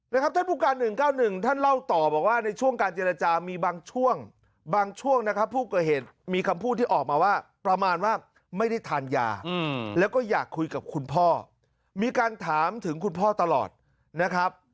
ท่านผู้การ๑๙๑ท่านเล่าต่อบอกว่าในช่วงการเจรจามีบางช่วงบางช่วงนะครับผู้ก่อเหตุมีคำพูดที่ออกมาว่าประมาณว่าไม่ได้ทานยาแล้วก็อยากคุยกับคุณพ่อมีการถามถึงคุณพ่อตลอดนะครับ